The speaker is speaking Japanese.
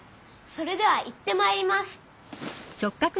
それでは行ってまいります。